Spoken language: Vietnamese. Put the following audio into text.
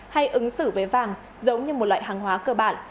hay ứng xử với vàng giống như một loại hàng hóa cơ bản